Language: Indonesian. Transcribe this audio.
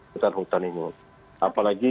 hutan hutan ini apalagi